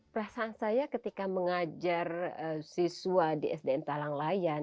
perasaan saya ketika mengajar siswa di sdm talang layan